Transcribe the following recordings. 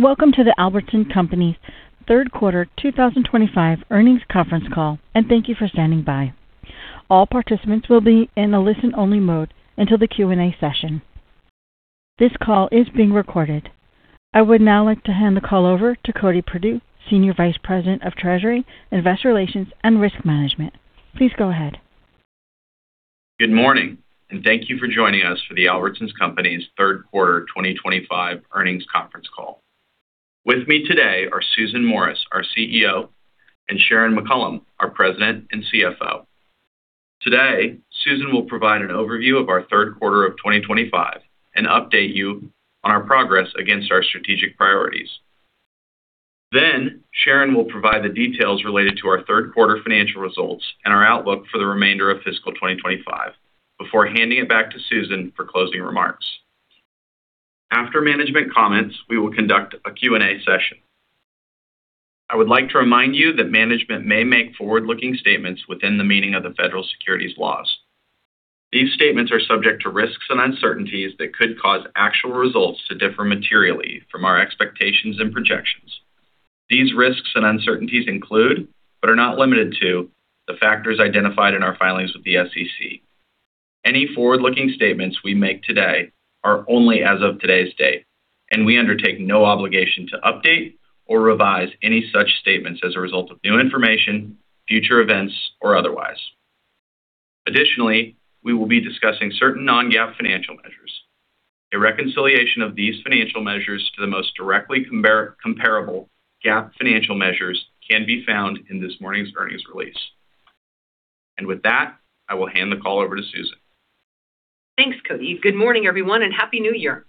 Welcome to the Albertsons Companies' third quarter 2025 earnings conference call, and thank you for standing by. All participants will be in a listen-only mode until the Q&A session. This call is being recorded. I would now like to hand the call over to Cody Perdue, Senior Vice President of Treasury, Investor Relations and Risk Management. Please go ahead. Good morning, and thank you for joining us for the Albertsons Companies' third quarter 2025 earnings conference call. With me today are Susan Morris, our CEO, and Sharon McCollam, our President and CFO. Today, Susan will provide an overview of our third quarter of 2025 and update you on our progress against our strategic priorities. Then, Sharon will provide the details related to our third quarter financial results and our outlook for the remainder of fiscal 2025 before handing it back to Susan for closing remarks. After management comments, we will conduct a Q&A session. I would like to remind you that management may make forward-looking statements within the meaning of the federal securities laws. These statements are subject to risks and uncertainties that could cause actual results to differ materially from our expectations and projections. These risks and uncertainties include, but are not limited to, the factors identified in our filings with the SEC. Any forward-looking statements we make today are only as of today's date, and we undertake no obligation to update or revise any such statements as a result of new information, future events, or otherwise. Additionally, we will be discussing certain non-GAAP financial measures. A reconciliation of these financial measures to the most directly comparable GAAP financial measures can be found in this morning's earnings release. And with that, I will hand the call over to Susan. Thanks, Cody. Good morning, everyone, and happy New Year.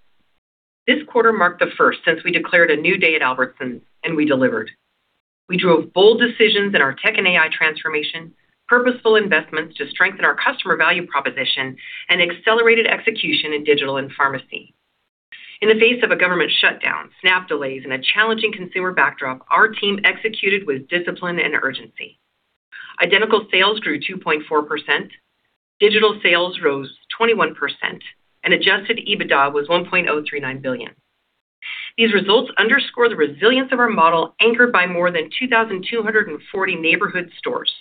This quarter marked the first since we declared a new day at Albertsons, and we delivered. We drove bold decisions in our tech and AI transformation, purposeful investments to strengthen our customer value proposition, and accelerated execution in digital and pharmacy. In the face of a government shutdown, SNAP delays, and a challenging consumer backdrop, our team executed with discipline and urgency. Identical sales grew 2.4%, digital sales rose 21%, and adjusted EBITDA was $1.039 billion. These results underscore the resilience of our model, anchored by more than 2,240 neighborhood stores.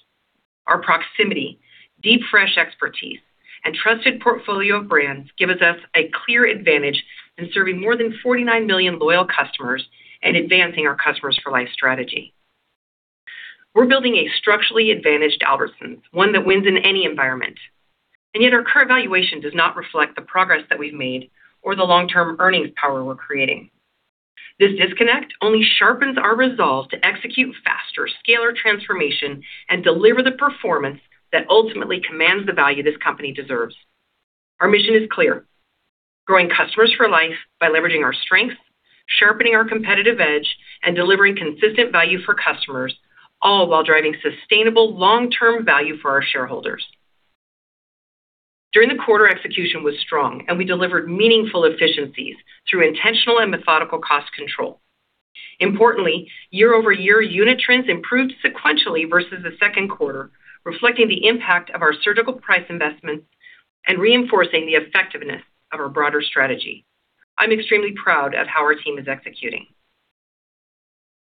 Our proximity, deep, fresh expertise, and trusted portfolio of brands give us a clear advantage in serving more than 49 million loyal customers and advancing our Customers for Life strategy. We're building a structurally advantaged Albertsons, one that wins in any environment. And yet, our current valuation does not reflect the progress that we've made or the long-term earnings power we're creating. This disconnect only sharpens our resolve to execute faster, scalar transformation and deliver the performance that ultimately commands the value this company deserves. Our mission is clear: growing customers for life by leveraging our strengths, sharpening our competitive edge, and delivering consistent value for customers, all while driving sustainable long-term value for our shareholders. During the quarter, execution was strong, and we delivered meaningful efficiencies through intentional and methodical cost control. Importantly, year-over-year unit trends improved sequentially versus the second quarter, reflecting the impact of our surgical price investments and reinforcing the effectiveness of our broader strategy. I'm extremely proud of how our team is executing.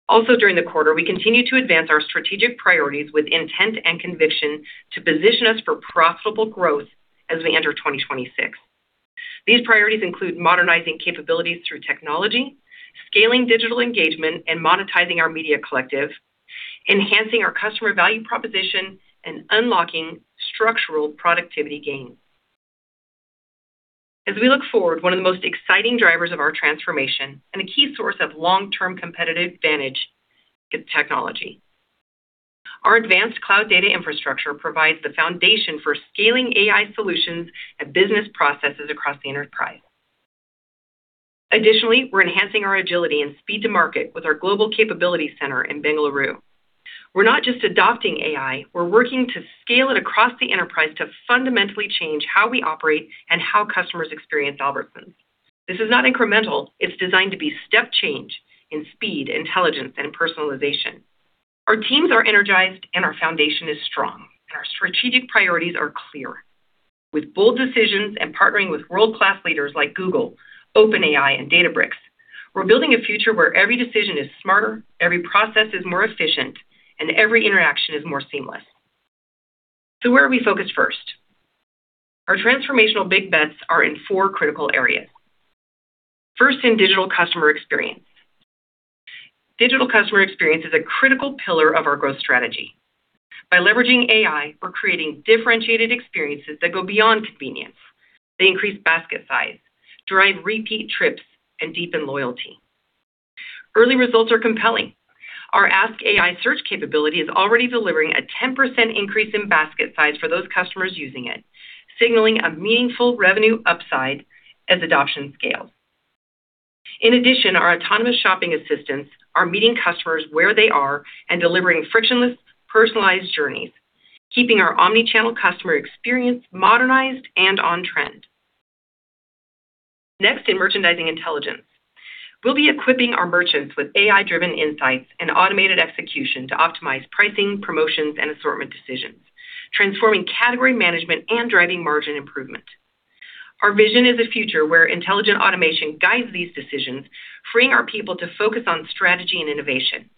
Also, during the quarter, we continue to advance our strategic priorities with intent and conviction to position us for profitable growth as we enter 2026. These priorities include modernizing capabilities through technology, scaling digital engagement, and monetizing our Media Collective, enhancing our customer value proposition, and unlocking structural productivity gains. As we look forward, one of the most exciting drivers of our transformation and a key source of long-term competitive advantage is technology. Our advanced cloud data infrastructure provides the foundation for scaling AI solutions and business processes across the enterprise. Additionally, we're enhancing our agility and speed to market with our global capability center in Bengaluru. We're not just adopting AI. We're working to scale it across the enterprise to fundamentally change how we operate and how customers experience Albertsons. This is not incremental. It's designed to be step change in speed, intelligence, and personalization. Our teams are energized, and our foundation is strong, and our strategic priorities are clear. With bold decisions and partnering with world-class leaders like Google, OpenAI, and Databricks, we're building a future where every decision is smarter, every process is more efficient, and every interaction is more seamless. So where are we focused first? Our transformational big bets are in four critical areas. First, in digital customer experience. Digital customer experience is a critical pillar of our growth strategy. By leveraging AI, we're creating differentiated experiences that go beyond convenience. They increase basket size, drive repeat trips, and deepen loyalty. Early results are compelling. Our Ask AI search capability is already delivering a 10% increase in basket size for those customers using it, signaling a meaningful revenue upside as adoption scales. In addition, our autonomous shopping assistance is meeting customers where they are and delivering frictionless, personalized journeys, keeping our omnichannel customer experience modernized and on trend. Next, in Merchandising Intelligence, we'll be equipping our merchants with AI-driven insights and automated execution to optimize pricing, promotions, and assortment decisions, transforming category management and driving margin improvement. Our vision is a future where intelligent automation guides these decisions, freeing our people to focus on strategy and innovation.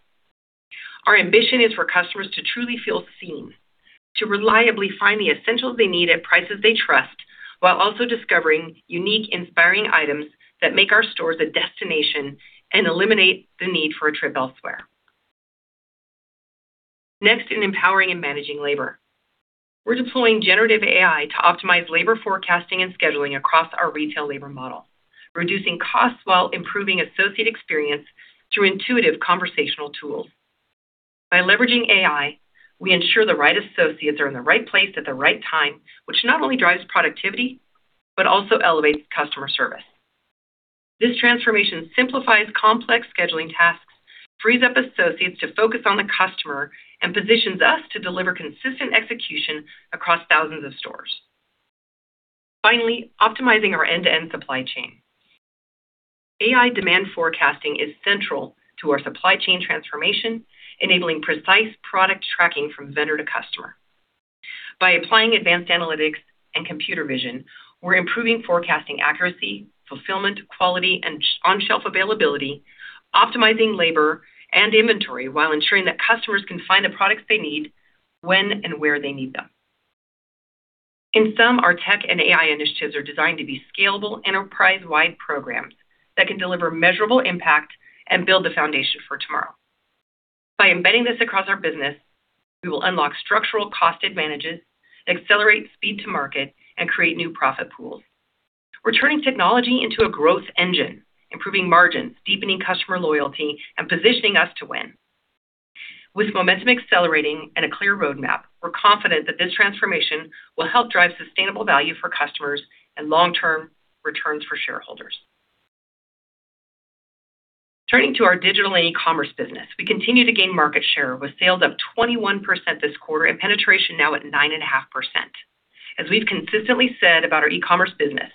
Our ambition is for customers to truly feel seen, to reliably find the essentials they need at prices they trust, while also discovering unique, inspiring items that make our stores a destination and eliminate the need for a trip elsewhere. Next, in empowering and managing labor, we're deploying generative AI to optimize labor forecasting and scheduling across our retail labor model, reducing costs while improving associate experience through intuitive conversational tools. By leveraging AI, we ensure the right associates are in the right place at the right time, which not only drives productivity but also elevates customer service. This transformation simplifies complex scheduling tasks, frees up associates to focus on the customer, and positions us to deliver consistent execution across thousands of stores. Finally, optimizing our end-to-end supply chain. AI demand forecasting is central to our supply chain transformation, enabling precise product tracking from vendor to customer. By applying advanced analytics and computer vision, we're improving forecasting accuracy, fulfillment quality, and on-shelf availability, optimizing labor and inventory while ensuring that customers can find the products they need when and where they need them. In sum, our tech and AI initiatives are designed to be scalable enterprise-wide programs that can deliver measurable impact and build the foundation for tomorrow. By embedding this across our business, we will unlock structural cost advantages, accelerate speed to market, and create new profit pools. We're turning technology into a growth engine, improving margins, deepening customer loyalty, and positioning us to win. With momentum accelerating and a clear roadmap, we're confident that this transformation will help drive sustainable value for customers and long-term returns for shareholders. Turning to our digital and e-commerce business, we continue to gain market share with sales up 21% this quarter and penetration now at 9.5%. As we've consistently said about our e-commerce business,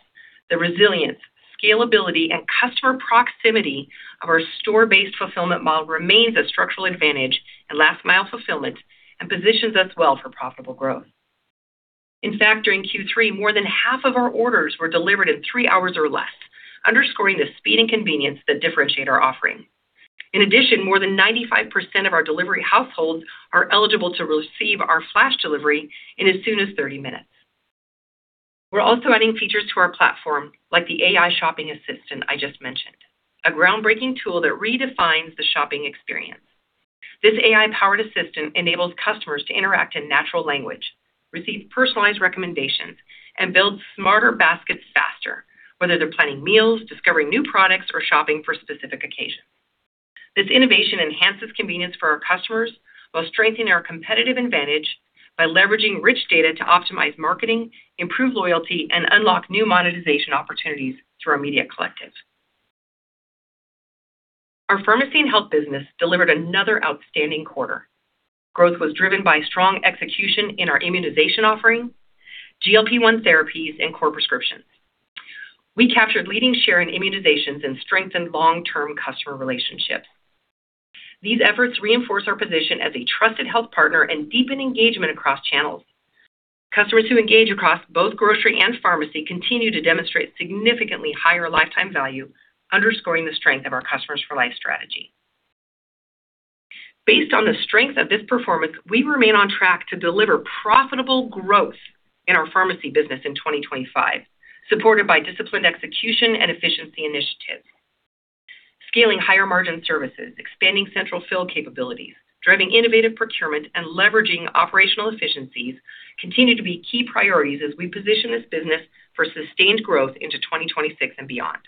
the resilience, scalability, and customer proximity of our store-based fulfillment model remains a structural advantage in last-mile fulfillment and positions us well for profitable growth. In fact, during Q3, more than half of our orders were delivered in three hours or less, underscoring the speed and convenience that differentiate our offering. In addition, more than 95% of our delivery households are eligible to receive our Flash Delivery in as soon as 30 minutes. We're also adding features to our platform like the AI shopping assistant I just mentioned, a groundbreaking tool that redefines the shopping experience. This AI-powered assistant enables customers to interact in natural language, receive personalized recommendations, and build smarter baskets faster, whether they're planning meals, discovering new products, or shopping for specific occasions. This innovation enhances convenience for our customers while strengthening our competitive advantage by leveraging rich data to optimize marketing, improve loyalty, and unlock new monetization opportunities through our Media Collective. Our pharmacy and health business delivered another outstanding quarter. Growth was driven by strong execution in our immunization offering, GLP-1 therapies, and core prescriptions. We captured leading share in immunizations and strengthened long-term customer relationships. These efforts reinforce our position as a trusted health partner and deepen engagement across channels. Customers who engage across both grocery and pharmacy continue to demonstrate significantly higher lifetime value, underscoring the strength of our customers-for-life strategy. Based on the strength of this performance, we remain on track to deliver profitable growth in our pharmacy business in 2025, supported by disciplined execution and efficiency initiatives. Scaling higher margin services, expanding central fill capabilities, driving innovative procurement, and leveraging operational efficiencies continue to be key priorities as we position this business for sustained growth into 2026 and beyond.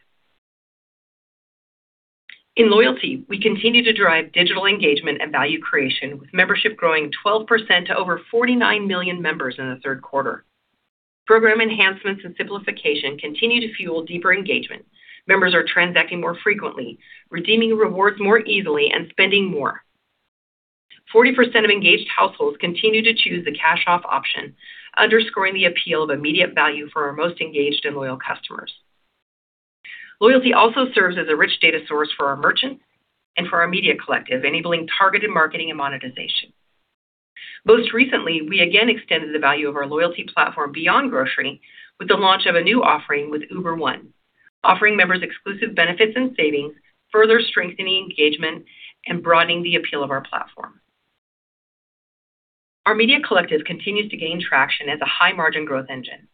In loyalty, we continue to drive digital engagement and value creation, with membership growing 12% to over 49 million members in the third quarter. Program enhancements and simplification continue to fuel deeper engagement. Members are transacting more frequently, redeeming rewards more easily, and spending more. 40% of engaged households continue to choose the cash-off option, underscoring the appeal of immediate value for our most engaged and loyal customers. Loyalty also serves as a rich data source for our merchants and for our Media Collective, enabling targeted marketing and monetization. Most recently, we again extended the value of our loyalty platform beyond grocery with the launch of a new offering with Uber One, offering members exclusive benefits and savings, further strengthening engagement and broadening the appeal of our platform. Our Media Collective continues to gain traction as a high-margin growth engine.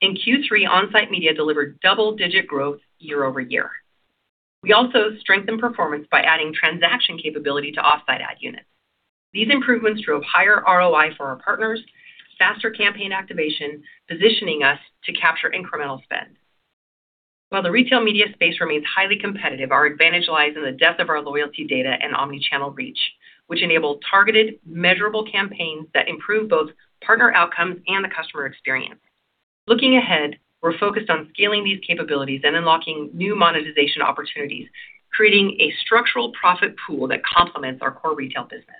In Q3, on-site media delivered double-digit growth year-over-year. We also strengthened performance by adding transaction capability to off-site ad units. These improvements drove higher ROI for our partners, faster campaign activation, positioning us to capture incremental spend. While the retail media space remains highly competitive, our advantage lies in the depth of our loyalty data and omnichannel reach, which enable targeted, measurable campaigns that improve both partner outcomes and the customer experience. Looking ahead, we're focused on scaling these capabilities and unlocking new monetization opportunities, creating a structural profit pool that complements our core retail business.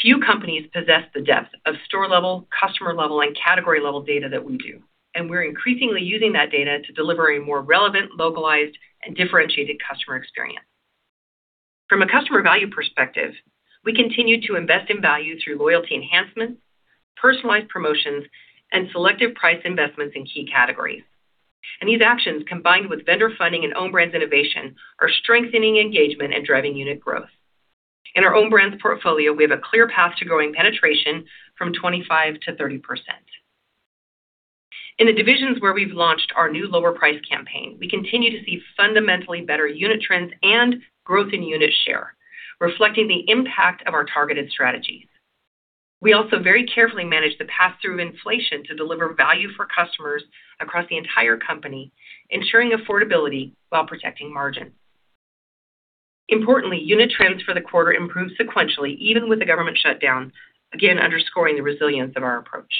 Few companies possess the depth of store-level, customer-level, and category-level data that we do, and we're increasingly using that data to deliver a more relevant, localized, and differentiated customer experience. From a customer value perspective, we continue to invest in value through loyalty enhancements, personalized promotions, and selective price investments in key categories. And these actions, combined with vendor funding and Own Brands innovation, are strengthening engagement and driving unit growth. In our Own Brands portfolio, we have a clear path to growing penetration from 25%-30%. In the divisions where we've launched our new lower price campaign, we continue to see fundamentally better unit trends and growth in unit share, reflecting the impact of our targeted strategies. We also very carefully manage the pass-through inflation to deliver value for customers across the entire company, ensuring affordability while protecting margins. Importantly, unit trends for the quarter improved sequentially, even with the government shutdown, again underscoring the resilience of our approach.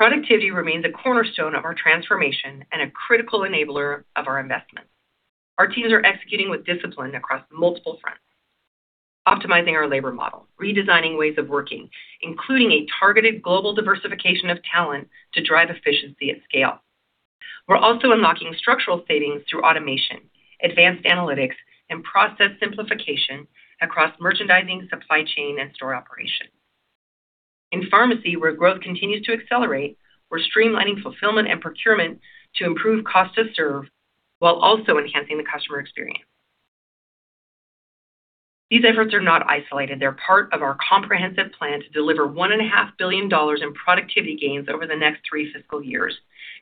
Productivity remains a cornerstone of our transformation and a critical enabler of our investments. Our teams are executing with discipline across multiple fronts, optimizing our labor model, redesigning ways of working, including a targeted global diversification of talent to drive efficiency at scale. We're also unlocking structural savings through automation, advanced analytics, and process simplification across merchandising, supply chain, and store operations. In pharmacy, where growth continues to accelerate, we're streamlining fulfillment and procurement to improve cost-to-serve while also enhancing the customer experience. These efforts are not isolated. They're part of our comprehensive plan to deliver $1.5 billion in productivity gains over the next three fiscal years,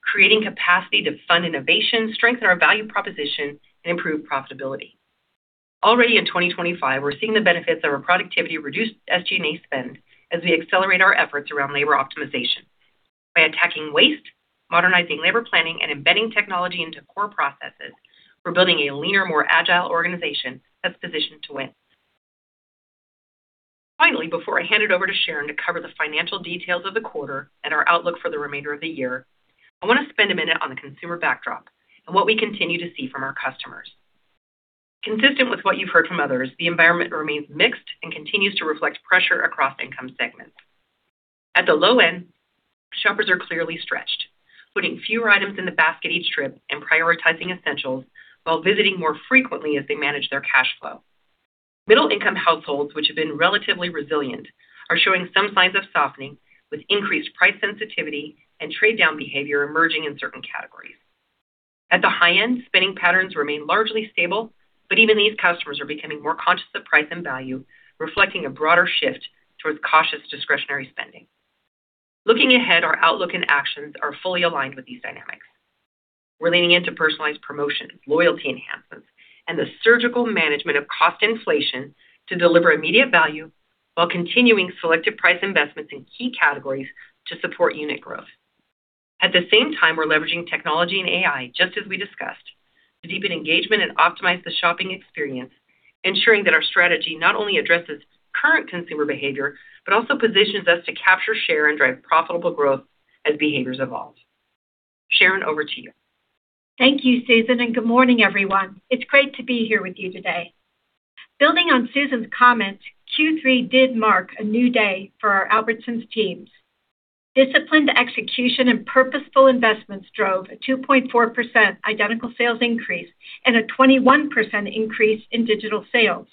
creating capacity to fund innovation, strengthen our value proposition, and improve profitability. Already in 2025, we're seeing the benefits of our productivity reduce SG&A spend as we accelerate our efforts around labor optimization. By attacking waste, modernizing labor planning, and embedding technology into core processes, we're building a leaner, more agile organization that's positioned to win. Finally, before I hand it over to Sharon to cover the financial details of the quarter and our outlook for the remainder of the year, I want to spend a minute on the consumer backdrop and what we continue to see from our customers. Consistent with what you've heard from others, the environment remains mixed and continues to reflect pressure across income segments. At the low end, shoppers are clearly stretched, putting fewer items in the basket each trip and prioritizing essentials while visiting more frequently as they manage their cash flow. Middle-income households, which have been relatively resilient, are showing some signs of softening, with increased price sensitivity and trade-down behavior emerging in certain categories. At the high end, spending patterns remain largely stable, but even these customers are becoming more conscious of price and value, reflecting a broader shift towards cautious discretionary spending. Looking ahead, our outlook and actions are fully aligned with these dynamics. We're leaning into personalized promotions, loyalty enhancements, and the surgical management of cost inflation to deliver immediate value while continuing selective price investments in key categories to support unit growth. At the same time, we're leveraging technology and AI, just as we discussed, to deepen engagement and optimize the shopping experience, ensuring that our strategy not only addresses current consumer behavior but also positions us to capture, share, and drive profitable growth as behaviors evolve. Sharon, over to you. Thank you, Susan, and good morning, everyone. It's great to be here with you today. Building on Susan's comments, Q3 did mark a new day for our Albertsons teams. Disciplined execution and purposeful investments drove a 2.4% identical sales increase and a 21% increase in digital sales.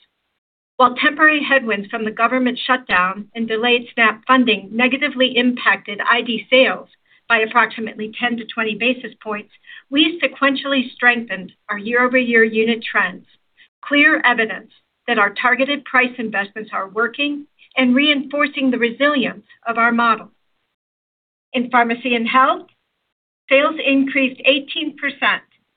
While temporary headwinds from the government shutdown and delayed SNAP funding negatively impacted ID sales by approximately 10-20 basis points, we sequentially strengthened our year-over-year unit trends, clear evidence that our targeted price investments are working and reinforcing the resilience of our model. In pharmacy and health, sales increased 18%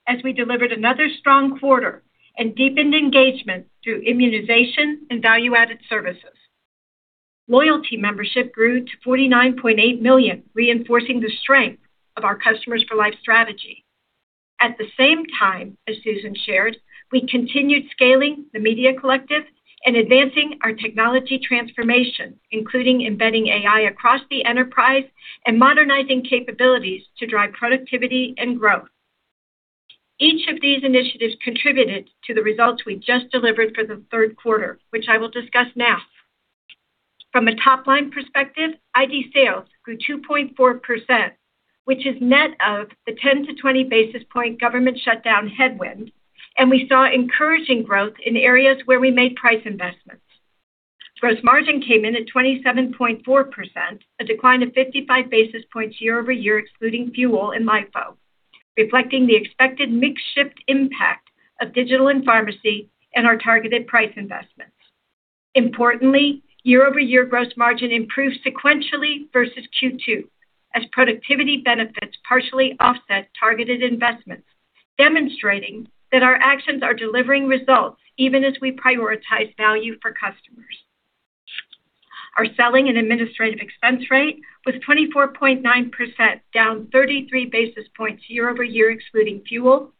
as we delivered another strong quarter and deepened engagement through immunization and value-added services. Loyalty membership grew to 49.8 million, reinforcing the strength of our customers-for-life strategy. At the same time, as Susan shared, we continued scaling the Media Collective and advancing our technology transformation, including embedding AI across the enterprise and modernizing capabilities to drive productivity and growth. Each of these initiatives contributed to the results we just delivered for the third quarter, which I will discuss now. From a top-line perspective, ID sales grew 2.4%, which is net of the 10-20 basis points government shutdown headwind, and we saw encouraging growth in areas where we made price investments. Gross margin came in at 27.4%, a decline of 55 basis points year-over-year, excluding fuel and LIFO, reflecting the expected mixed-shift impact of digital and pharmacy and our targeted price investments. Importantly, year-over-year gross margin improved sequentially versus Q2, as productivity benefits partially offset targeted investments, demonstrating that our actions are delivering results even as we prioritize value for customers. Our selling and administrative expense rate was 24.9%, down 33 basis points year-over-year, excluding fuel,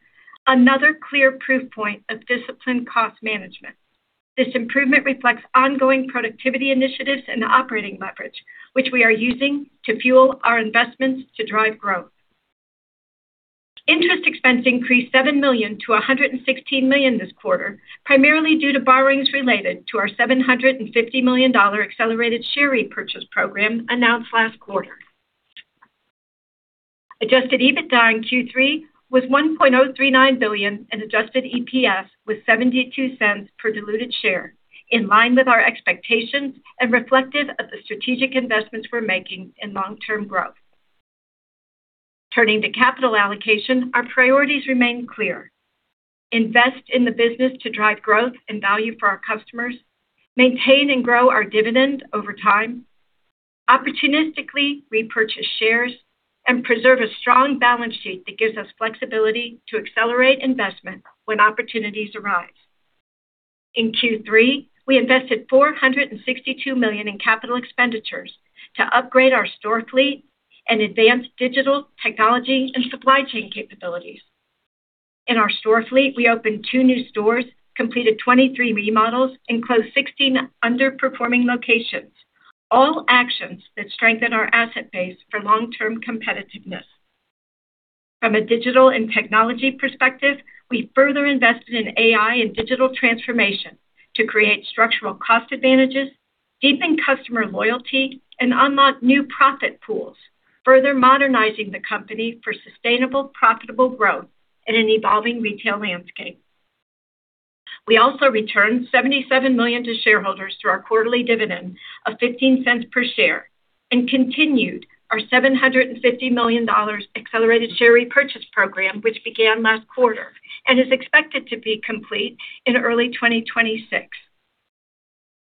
another clear proof point of disciplined cost management. This improvement reflects ongoing productivity initiatives and operating leverage, which we are using to fuel our investments to drive growth. Interest expense increased $7 million-$116 million this quarter, primarily due to borrowings related to our $750 million accelerated share repurchase program announced last quarter. Adjusted EBITDA in Q3 was $1.039 billion, and adjusted EPS was $0.72 per diluted share, in line with our expectations and reflective of the strategic investments we're making in long-term growth. Turning to capital allocation, our priorities remain clear: invest in the business to drive growth and value for our customers, maintain and grow our dividend over time, opportunistically repurchase shares, and preserve a strong balance sheet that gives us flexibility to accelerate investment when opportunities arise. In Q3, we invested $462 million in capital expenditures to upgrade our store fleet and advance digital technology and supply chain capabilities. In our store fleet, we opened two new stores, completed 23 remodels, and closed 16 underperforming locations, all actions that strengthen our asset base for long-term competitiveness. From a digital and technology perspective, we further invested in AI and digital transformation to create structural cost advantages, deepen customer loyalty, and unlock new profit pools, further modernizing the company for sustainable, profitable growth in an evolving retail landscape. We also returned $77 million to shareholders through our quarterly dividend of $0.15 per share and continued our $750 million accelerated share repurchase program, which began last quarter and is expected to be complete in early 2026.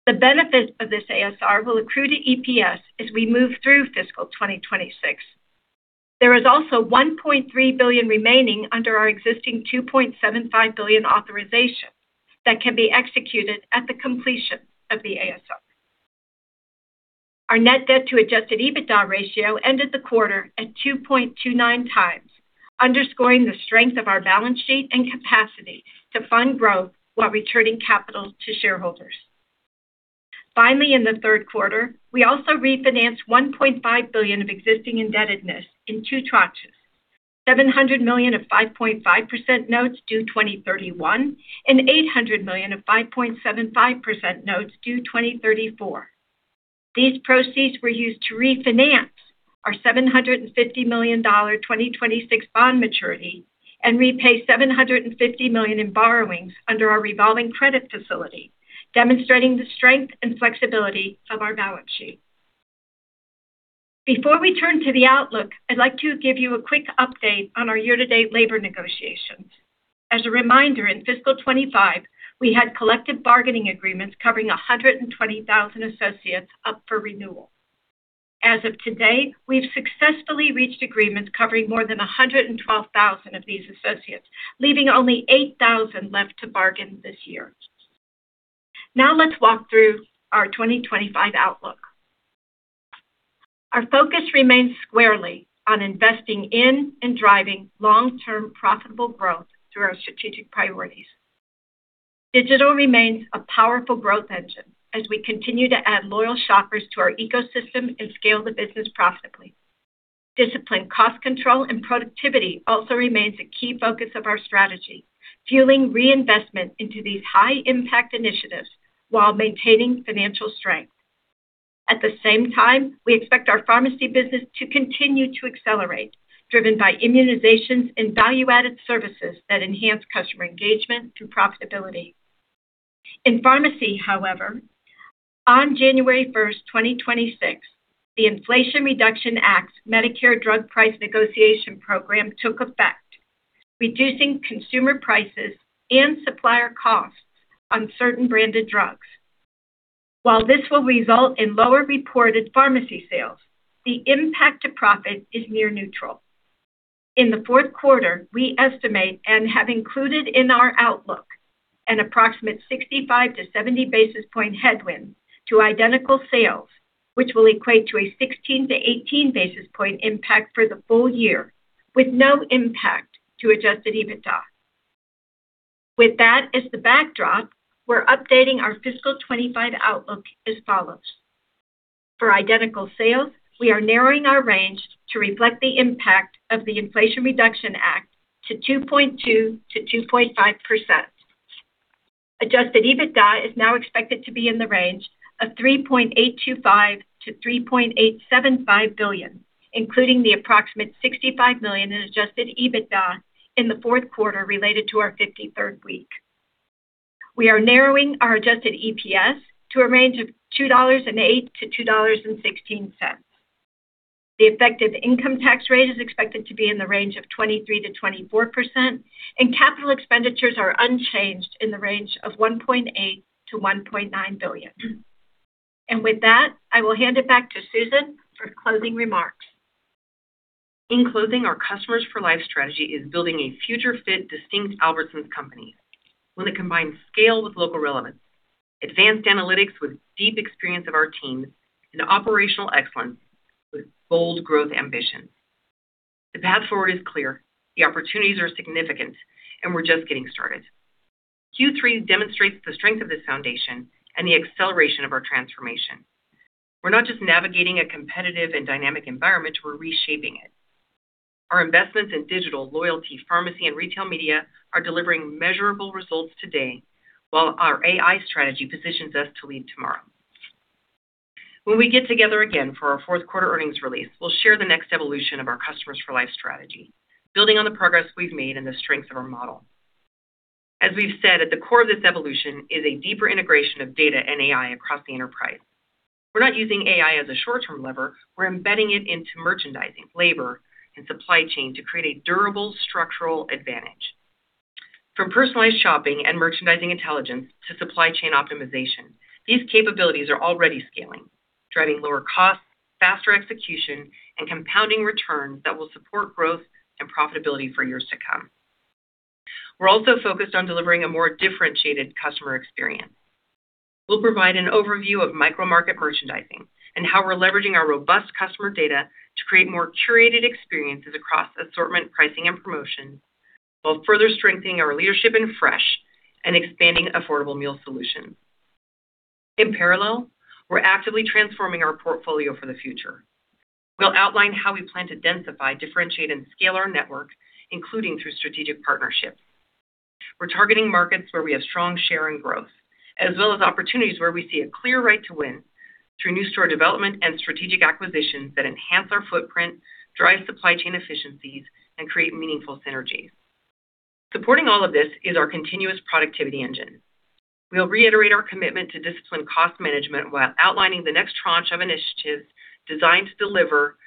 The benefits of this ASR will accrue to EPS as we move through fiscal 2026. There is also $1.3 billion remaining under our existing $2.75 billion authorization that can be executed at the completion of the ASR. Our net debt-to-Adjusted EBITDA ratio ended the quarter at 2.29x, underscoring the strength of our balance sheet and capacity to fund growth while returning capital to shareholders. Finally, in the third quarter, we also refinanced $1.5 billion of existing indebtedness in two tranches: $700 million of 5.5% notes due 2031 and $800 million of 5.75% notes due 2034. These proceeds were used to refinance our $750 million 2026 bond maturity and repay $750 million in borrowings under our revolving credit facility, demonstrating the strength and flexibility of our balance sheet. Before we turn to the outlook, I'd like to give you a quick update on our year-to-date labor negotiations. As a reminder, in fiscal 2025, we had collective bargaining agreements covering 120,000 associates up for renewal. As of today, we've successfully reached agreements covering more than 112,000 of these associates, leaving only 8,000 left to bargain this year. Now let's walk through our 2025 outlook. Our focus remains squarely on investing in and driving long-term profitable growth through our strategic priorities. Digital remains a powerful growth engine as we continue to add loyal shoppers to our ecosystem and scale the business profitably. Disciplined cost control and productivity also remains a key focus of our strategy, fueling reinvestment into these high-impact initiatives while maintaining financial strength. At the same time, we expect our pharmacy business to continue to accelerate, driven by immunizations and value-added services that enhance customer engagement and profitability. In pharmacy, however, on January 1st, 2026, the Inflation Reduction Act's Medicare Drug Price Negotiation Program took effect, reducing consumer prices and supplier costs on certain branded drugs. While this will result in lower reported pharmacy sales, the impact to profit is near neutral. In the fourth quarter, we estimate and have included in our outlook an approximate 65-70 basis point headwind to identical sales, which will equate to a 16-18 basis point impact for the full year, with no impact to adjusted EBITDA. With that as the backdrop, we're updating our fiscal 2025 outlook as follows. For identical sales, we are narrowing our range to reflect the impact of the Inflation Reduction Act to 2.2%-2.5%. Adjusted EBITDA is now expected to be in the range of $3.825 billion-$3.875 billion, including the approximate $65 million in adjusted EBITDA in the fourth quarter related to our 53rd week. We are narrowing our adjusted EPS to a range of $2.08-$2.16. The effective income tax rate is expected to be in the range of 23%-24%, and capital expenditures are unchanged in the range of $1.8 billion-$1.9 billion. With that, I will hand it back to Susan for closing remarks. In closing, our customers-for-life strategy is building a future-fit distinct Albertsons Companies when it combines scale with local relevance, advanced analytics with deep experience of our teams, and operational excellence with bold growth ambitions. The path forward is clear, the opportunities are significant, and we're just getting started. Q3 demonstrates the strength of this foundation and the acceleration of our transformation. We're not just navigating a competitive and dynamic environment. We're reshaping it. Our investments in digital, loyalty, pharmacy, and retail media are delivering measurable results today, while our AI strategy positions us to lead tomorrow. When we get together again for our fourth quarter earnings release, we'll share the next evolution of our customers-for-life strategy, building on the progress we've made and the strengths of our model. As we've said, at the core of this evolution is a deeper integration of data and AI across the enterprise. We're not using AI as a short-term lever. We're embedding it into merchandising, labor, and supply chain to create a durable structural advantage. From personalized shopping and Merchandising Intelligence to supply chain optimization, these capabilities are already scaling, driving lower costs, faster execution, and compounding returns that will support growth and profitability for years to come. We're also focused on delivering a more differentiated customer experience. We'll provide an overview of micro-market merchandising and how we're leveraging our robust customer data to create more curated experiences across assortment, pricing, and promotion, while further strengthening our leadership in fresh and expanding affordable meal solutions. In parallel, we're actively transforming our portfolio for the future. We'll outline how we plan to densify, differentiate, and scale our network, including through strategic partnerships. We're targeting markets where we have strong share and growth, as well as opportunities where we see a clear right to win through new store development and strategic acquisitions that enhance our footprint, drive supply chain efficiencies, and create meaningful synergies. Supporting all of this is our continuous productivity engine. We'll reiterate our commitment to disciplined cost management while outlining the next tranche of initiatives designed to deliver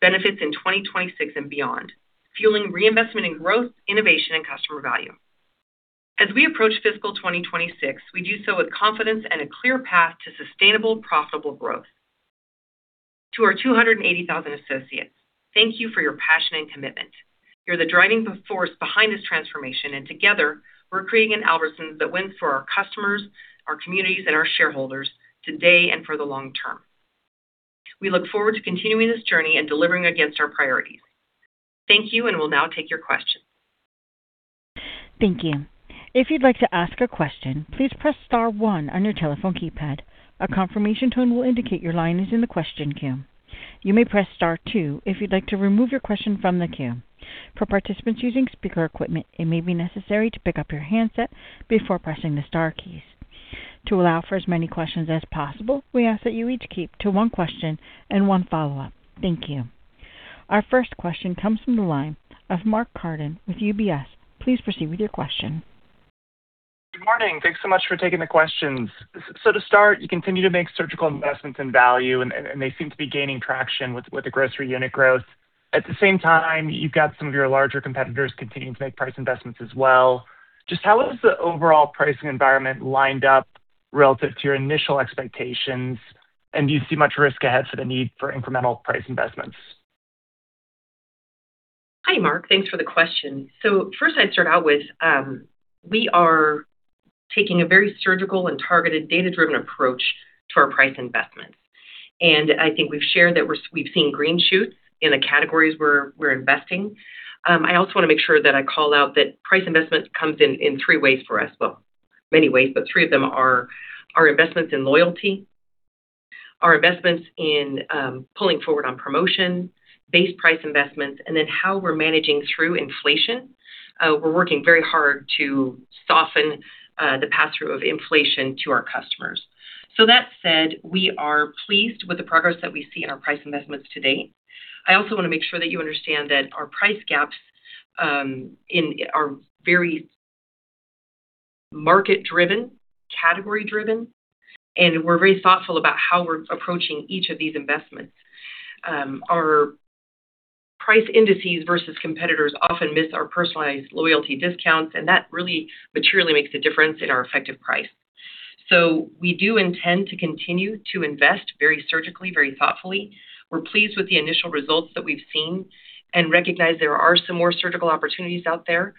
benefits in 2026 and beyond, fueling reinvestment in growth, innovation, and customer value. As we approach fiscal 2026, we do so with confidence and a clear path to sustainable, profitable growth. To our 280,000 associates, thank you for your passion and commitment. You're the driving force behind this transformation, and together, we're creating an Albertsons that wins for our customers, our communities, and our shareholders today and for the long term. We look forward to continuing this journey and delivering against ur priorities. Thank you, and we'll now take your questions. Thank you. If you'd like to ask a question, please press star one on your telephone keypad. A confirmation tone will indicate your line is in the question queue. You may press star two if you'd like to remove your question from the queue. For participants using speaker equipment, it may be necessary to pick up your handset before pressing the star keys. To allow for as many questions as possible, we ask that you each keep to one question and one follow-up. Thank you. Our first question comes from the line of Mark Carden with UBS. Please proceed with your question. Good morning. Thanks so much for taking the questions. So to start, you continue to make surgical investments in value, and they seem to be gaining traction with the grocery unit growth. At the same time, you've got some of your larger competitors continuing to make price investments as well. Just how is the overall pricing environment lined up relative to your initial expectations, and do you see much risk ahead for the need for incremental price investments? Hi, Mark. Thanks for the question. So first, I'd start out with, we are taking a very surgical and targeted data-driven approach to our price investments. I think we've shared that we've seen green shoots in the categories we're investing. I also want to make sure that I call out that price investment comes in three ways for us, well, many ways, but three of them are our investments in loyalty, our investments in pulling forward on promotion, base price investments, and then how we're managing through inflation. We're working very hard to soften the pass-through of inflation to our customers. That said, we are pleased with the progress that we see in our price investments to date. I also want to make sure that you understand that our price gaps are very market-driven, category-driven, and we're very thoughtful about how we're approaching each of these investments. Our price indices versus competitors often miss our personalized loyalty discounts, and that really materially makes a difference in our effective price. So we do intend to continue to invest very surgically, very thoughtfully. We're pleased with the initial results that we've seen and recognize there are some more surgical opportunities out there.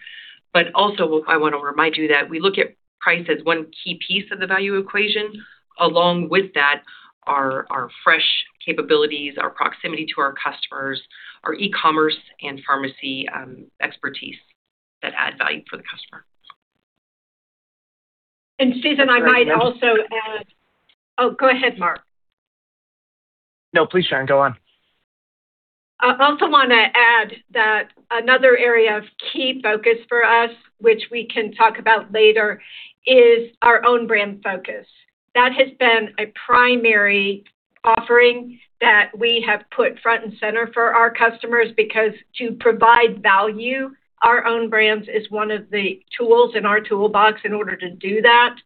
But also, I want to remind you that we look at price as one key piece of the value equation. Along with that are our fresh capabilities, our proximity to our customers, our e-commerce and pharmacy expertise that add value for the customer. And Susan, I might also add, oh, go ahead, Mark. No, please, Sharon, go on. I also want to add that another area of key focus for us, which we can talk about later, is our own brand focus. That has been a primary offering that we have put front and center for our customers because to provide value, our Own Brands is one of the tools in our toolbox in order to do that.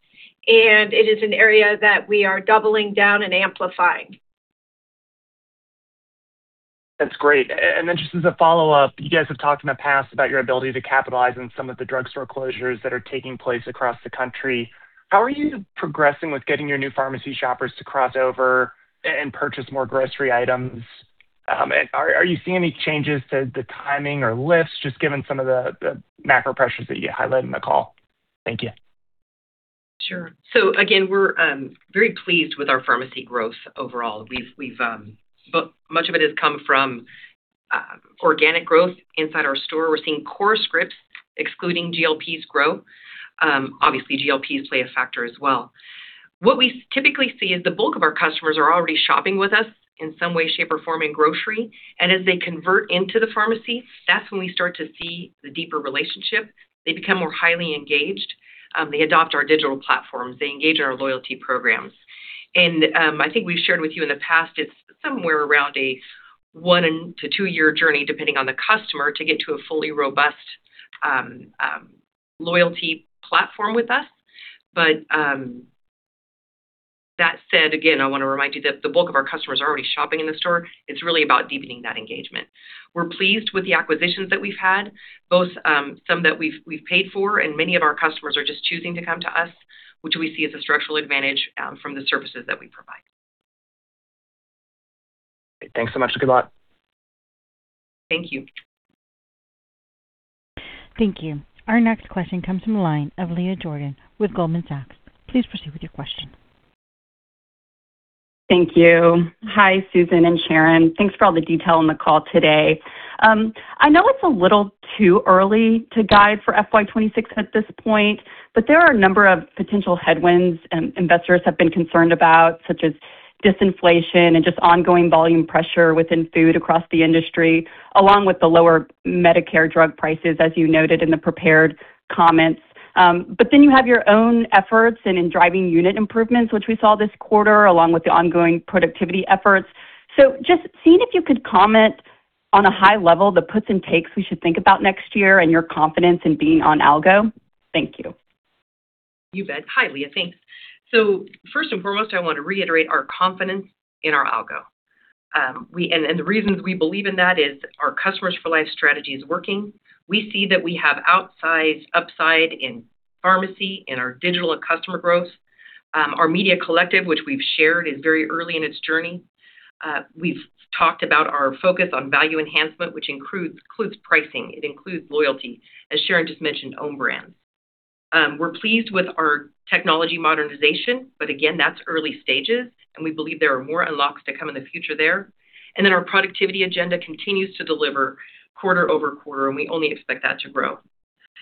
And it is an area that we are doubling down and amplifying. That's great. And then just as a follow-up, you guys have talked in the past about your ability to capitalize on some of the drugstore closures that are taking place across the country. How are you progressing with getting your new pharmacy shoppers to cross over and purchase more grocery items? Are you seeing any changes to the timing or lifts, just given some of the macro pressures that you highlighted in the call? Thank you. Sure. So again, we're very pleased with our pharmacy growth overall. Much of it has come from organic growth inside our store. We're seeing core scripts excluding GLPs grow. Obviously, GLPs play a factor as well. What we typically see is the bulk of our customers are already shopping with us in some way, shape, or form in grocery. As they convert into the pharmacy, that's when we start to see the deeper relationship. They become more highly engaged. They adopt our digital platforms. They engage in our loyalty programs. And I think we've shared with you in the past, it's somewhere around a one to two-year journey, depending on the customer, to get to a fully robust loyalty platform with us. But that said, again, I want to remind you that the bulk of our customers are already shopping in the store. It's really about deepening that engagement. We're pleased with the acquisitions that we've had, both some that we've paid for, and many of our customers are just choosing to come to us, which we see as a structural advantage from the services that we provide. Thanks so much. Good luck. Thank you. Thank you. Our next question comes from the line of Leah Jordan with Goldman Sachs. Please proceed with your question. Thank you. Hi, Susan and Sharon. Thanks for all the detail on the call today. I know it's a little too early to guide for FY 2026 at this point, but there are a number of potential headwinds investors have been concerned about, such as disinflation and just ongoing volume pressure within food across the industry, along with the lower Medicare drug prices, as you noted in the prepared comments. But then you have your own efforts in driving unit improvements, which we saw this quarter, along with the ongoing productivity efforts. So just seeing if you could comment on a high level the puts and takes we should think about next year and your confidence in being on Algo. Thank you. You bet. Hi, Leah. Thanks. So, first and foremost, I want to reiterate our confidence in our Algo. And the reasons we believe in that is our customers-for-life strategy is working. We see that we have outsize upside in pharmacy and our digital customer growth. Our Media Collective, which we've shared, is very early in its journey. We've talked about our focus on value enhancement, which includes pricing. It includes loyalty, as Sharon just mentioned, Own Brands. We're pleased with our technology modernization, but again, that's early stages, and we believe there are more unlocks to come in the future there. And then our productivity agenda continues to deliver quarter-over-quarter, and we only expect that to grow.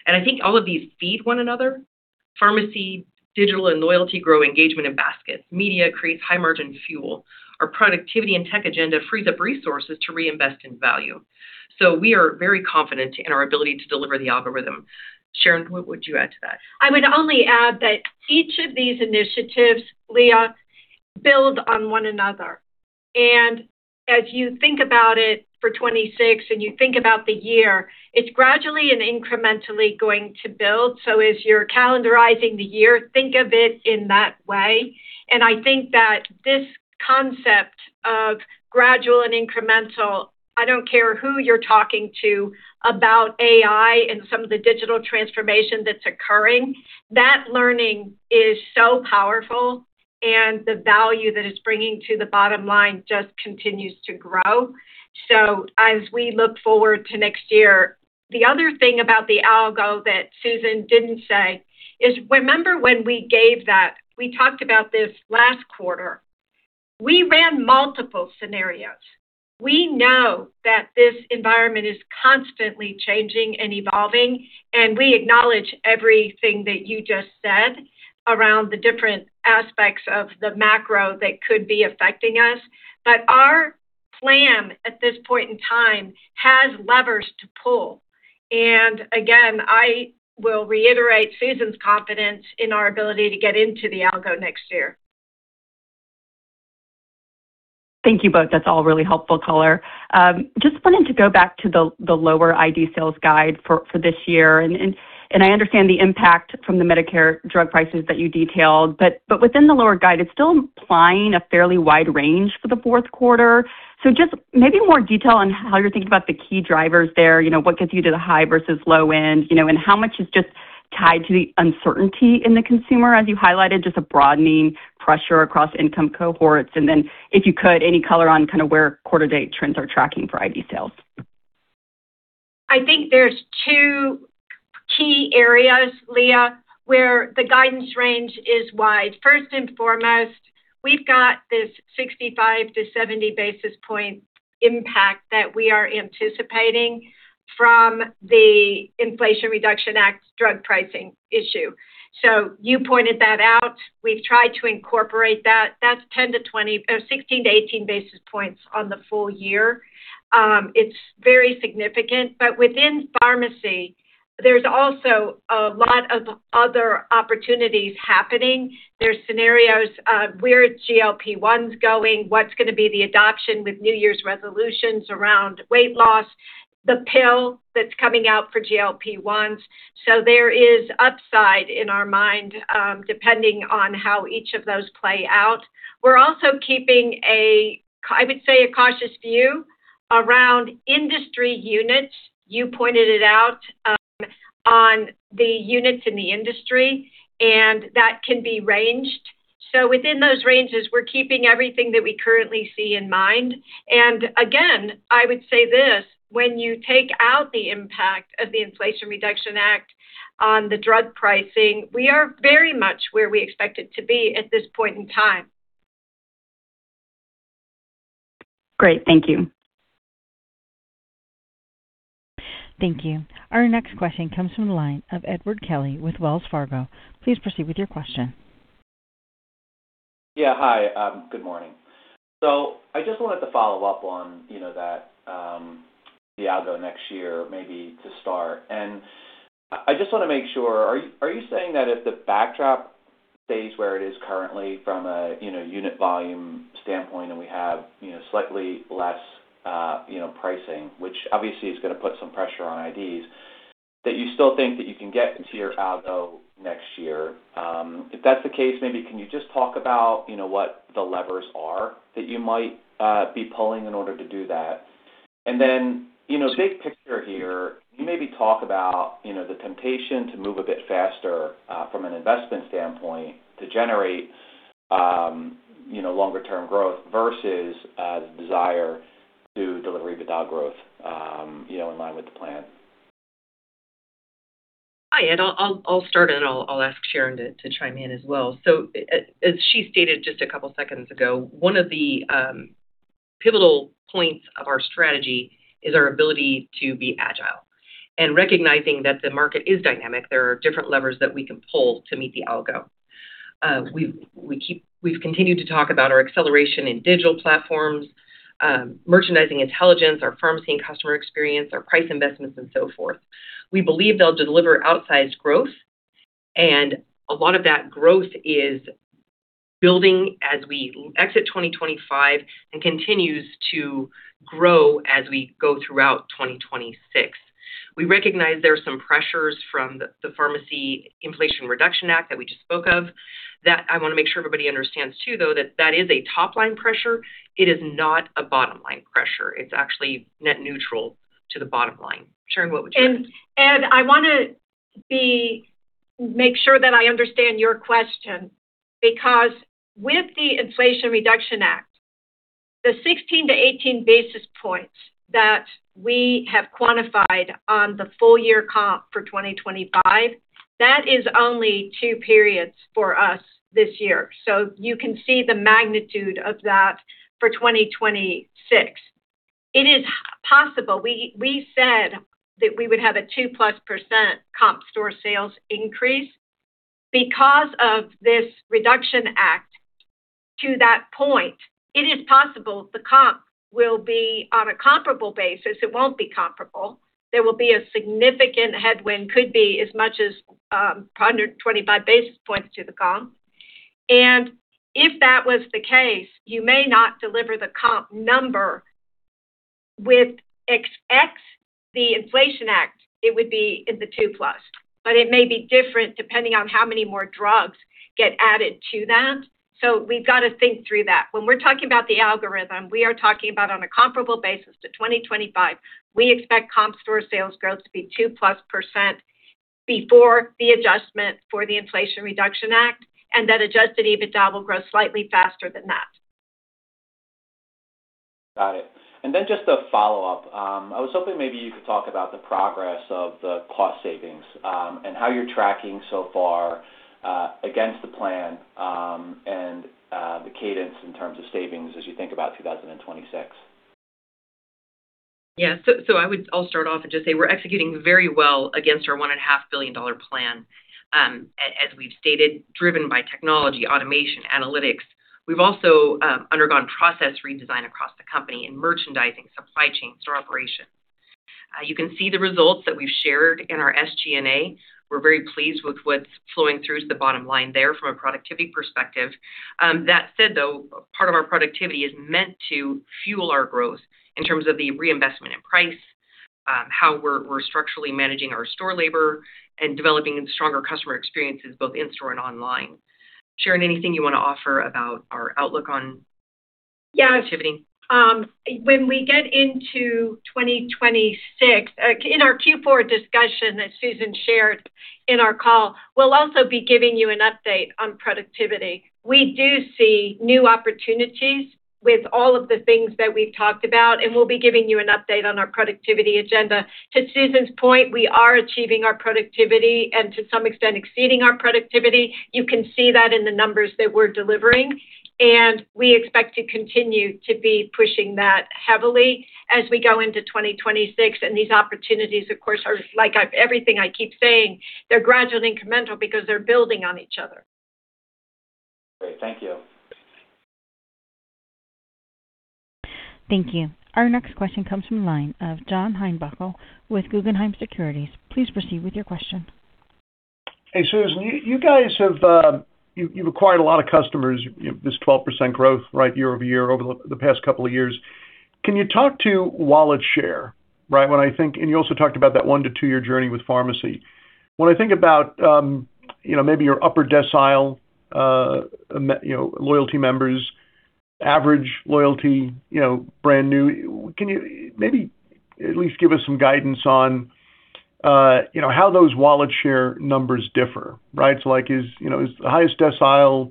And I think all of these feed one another. Pharmacy, digital, and loyalty grow engagement in baskets. Media creates high-margin fuel. Our productivity and tech agenda frees up resources to reinvest in value. So we are very confident in our ability to deliver the algorithm. Sharon, what would you add to that? I would only add that each of these initiatives, Leah, build on one another. And as you think about it for 2026 and you think about the year, it's gradually and incrementally going to build. So as you're calendarizing the year, think of it in that way. And I think that this concept of gradual and incremental, I don't care who you're talking to about AI and some of the digital transformation that's occurring, that learning is so powerful, and the value that it's bringing to the bottom line just continues to grow. So as we look forward to next year, the other thing about the Algo that Susan didn't say is remember when we gave that we talked about this last quarter. We ran multiple scenarios. We know that this environment is constantly changing and evolving, and we acknowledge everything that you just said around the different aspects of the macro that could be affecting us, but our plan at this point in time has levers to pull, and again, I will reiterate Susan's confidence in our ability to get into the Algo next year. Thank you both. That's all really helpful, caller. Just wanted to go back to the lower ID sales guide for this year. And I understand the impact from the Medicare drug prices that you detailed, but within the lower guide, it's still implying a fairly wide range for the fourth quarter. Just maybe more detail on how you're thinking about the key drivers there, what gets you to the high versus low end, and how much is just tied to the uncertainty in the consumer, as you highlighted, just a broadening pressure across income cohorts. And then if you could, any color on kind of where quarter-to-date trends are tracking for ID sales. I think there are two key areas, Leah, where the guidance range is wide. First and foremost, we have got this 65-70 basis points impact that we are anticipating from the Inflation Reduction Act drug pricing issue. So you pointed that out. We have tried to incorporate that. That is 10 to 16 to 18 basis points on the full year. It is very significant. But within pharmacy, there is also a lot of other opportunities happening. are scenarios where GLP-1s going, what's going to be the adoption with New Year's resolutions around weight loss, the pill that's coming out for GLP-1s. So there is upside in our mind depending on how each of those play out. We're also keeping, I would say, a cautious view around industry units. You pointed it out on the units in the industry, and that can be ranged. So within those ranges, we're keeping everything that we currently see in mind. And again, I would say this, when you take out the impact of the Inflation Reduction Act on the drug pricing, we are very much where we expect it to be at this point in time. Great. Thank you. Thank you. Our next question comes from the line of Edward Kelly with Wells Fargo. Please proceed with your question. Yeah. Hi. Good morning. I just wanted to follow up on that, the Algo next year, maybe to start. And I just want to make sure, are you saying that if the backdrop stays where it is currently from a unit volume standpoint and we have slightly less pricing, which obviously is going to put some pressure on IDs, that you still think that you can get into your Algo next year? If that's the case, maybe can you just talk about what the levers are that you might be pulling in order to do that? And then big picture here, you maybe talk about the temptation to move a bit faster from an investment standpoint to generate longer-term growth versus the desire to deliver even now growth in line with the plan. Hi. And I'll start, and I'll ask Sharon to chime in as well. So as she stated just a couple of seconds ago, one of the pivotal points of our strategy is our ability to be agile. And recognizing that the market is dynamic, there are different levers that we can pull to meet the Algo. We've continued to talk about our acceleration in digital platforms, Merchandising Intelligence, our pharmacy and customer experience, our price investments, and so forth. We believe they'll deliver outsized growth. And a lot of that growth is building as we exit 2025 and continues to grow as we go throughout 2026. We recognize there are some pressures from the Pharmacy Inflation Reduction Act that we just spoke of. I want to make sure everybody understands too, though, that that is a top-line pressure. It is not a bottom-line pressure. It's actually net neutral to the bottom line. Sharon, what would you add? I want to make sure that I understand your question because with the Inflation Reduction Act, the 16-18 basis points that we have quantified on the full-year comp for 2025, that is only two periods for us this year. So you can see the magnitude of that for 2026. It is possible. We said that we would have a 2+% comp store sales increase because of this reduction act to that point. It is possible the comp will be on a comparable basis. It won't be comparable. There will be a significant headwind, could be as much as 125 basis points to the comp. And if that was the case, you may not deliver the comp number with X, the Inflation Act, it would be in the 2+. But it may be different depending on how many more drugs get added to that. So we've got to think through that. When we're talking about the algorithm, we are talking about, on a comparable basis to 2025, we expect comp store sales growth to be 2+% before the adjustment for the Inflation Reduction Act, and that Adjusted EBITDA will grow slightly faster than that. Got it. And then just a follow-up. I was hoping maybe you could talk about the progress of the cost savings and how you're tracking so far against the plan and the cadence in terms of savings as you think about 2026. Yeah. So I'll start off and just say we're executing very well against our $1.5 billion plan. As we've stated, driven by technology, automation, analytics. We've also undergone process redesign across the company in merchandising, supply chain, store operation. You can see the results that we've shared in our SG&A. We're very pleased with what's flowing through to the bottom line there from a productivity perspective. That said, though, part of our productivity is meant to fuel our growth in terms of the reinvestment in price, how we're structurally managing our store labor, and developing stronger customer experiences both in store and online. Sharon, anything you want to offer about our outlook on productivity? When we get into 2026, in our Q4 discussion that Susan shared in our call, we'll also be giving you an update on productivity. We do see new opportunities with all of the things that we've talked about, and we'll be giving you an update on our productivity agenda. To Susan's point, we are achieving our productivity and to some extent exceeding our productivity. You can see that in the numbers that we're delivering. We expect to continue to be pushing that heavily as we go into 2026. These opportunities, of course, are like everything I keep saying. They're gradual and incremental because they're building on each other. Great. Thank you. Thank you. Our next question comes from the line of John Heinbockel with Guggenheim Securities. Please proceed with your question. Hey, Susan, you guys have acquired a lot of customers, this 12% growth year-over-year over the past couple of years. Can you talk to wallet share? You also talked about that 1-2-year journey with pharmacy. When I think about maybe your upper decile loyalty members, average loyalty, brand new, can you maybe at least give us some guidance on how those wallet share numbers differ? Is the highest decile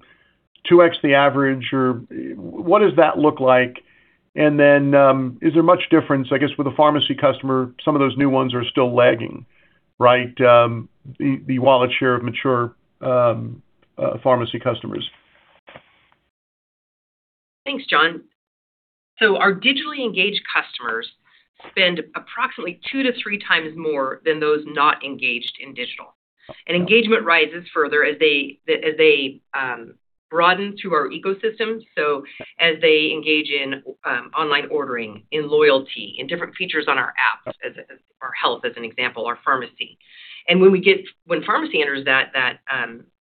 2x the average? What does that look like? Is there much difference, I guess, with a pharmacy customer? Some of those new ones are still lagging, right, the wallet share of mature pharmacy customers? Thanks, John. Our digitally engaged customers spend approximately two to three times more than those not engaged in digital. Engagement rises further as they broaden through our ecosystem, so as they engage in online ordering, in loyalty, in different features on our apps, our health as an example, our pharmacy. When pharmacy enters that